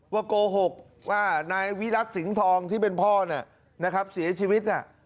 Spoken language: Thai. โกหกว่านายวิรัติสิงห์ทองที่เป็นพ่อเนี่ยนะครับเสียชีวิต